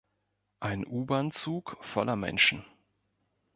Ein U-Bahn-Zug voller Menschen.